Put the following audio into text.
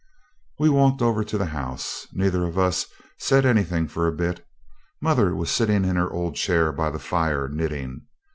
We walked over to the house. Neither of us said anything for a bit. Mother was sitting in her old chair by the fire knitting.